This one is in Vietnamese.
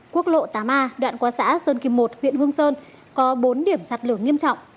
quốc lộ tám a đoạn qua xã sơn kim một huyện hương sơn có bốn điểm sạt lở nghiêm trọng